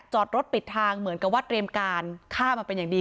จอดรถปิดทางเหมือนกับว่าเตรียมการฆ่ามาเป็นอย่างดี